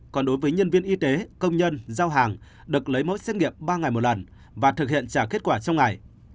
còn đối với nhân viên y tế công nhân giao hàng được lấy mẫu xét nghiệm ba ngày một lần và thực hiện trả kết quả trong ngày